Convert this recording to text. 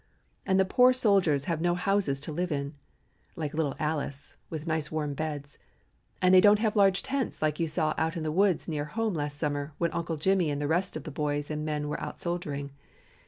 And the poor soldiers have no houses to live in, like little Alice, with nice warm beds, and they don't have large tents like you saw out in the woods near home last summer when Uncle Jimmy and the rest of the boys and men were out soldiering.